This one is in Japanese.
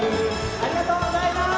ありがとうございます。